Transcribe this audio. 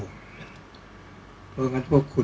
ก็ต้องทำอย่างที่บอกว่าช่องคุณวิชากำลังทำอยู่นั่นนะครับ